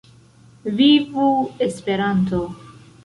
Vivu Esperanto!